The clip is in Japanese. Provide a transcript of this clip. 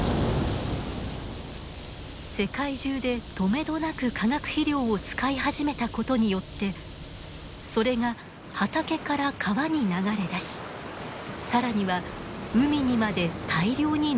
世界中でとめどなく化学肥料を使い始めたことによってそれが畑から川に流れ出し更には海にまで大量に流れ込むことに。